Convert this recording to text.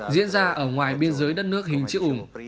diễn ra ở ngoài biên giới đất nước hình chữ ủng